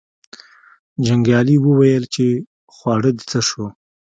جنګیالي وویل چې خواړه دې څه شو.